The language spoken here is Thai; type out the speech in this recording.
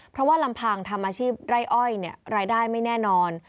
เพราะว่าลำพังทำอาชีพไร่อ้อยรายได้ไม่แน่นอน